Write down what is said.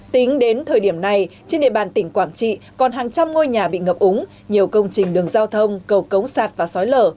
tính đến thời điểm này trên địa bàn tỉnh quảng trị còn hàng trăm ngôi nhà bị ngập úng nhiều công trình đường giao thông cầu cống sạt và xói lở